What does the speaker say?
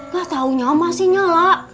gak taunya masih nyala